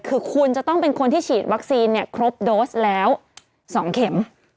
คือคุณจะต้องเป็นคนที่ฉีดวัคซีนครบโดสแล้ว๒เข็ม